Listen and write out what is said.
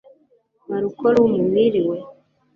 malcolm mwiriwe